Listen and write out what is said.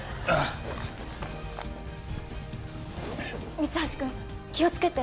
三橋君、気をつけて。